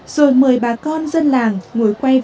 rồi mời bà con dân làng ngồi qua bàn lễ vật